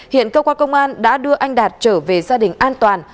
hiện cơ quan công an đã đưa anh đạt trở về gia đình an toàn